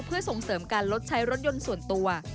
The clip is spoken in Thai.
เพื่อส่งเสริมการลดใช้รถยนต์ส่วนตัว